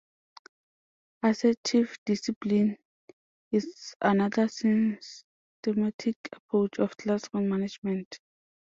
Assertive discipline is another systematic approach of classroom management.